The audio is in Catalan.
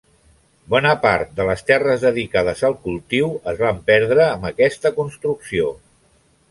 Bona part de les terres dedicades al cultiu es van perdre amb aquesta construcció.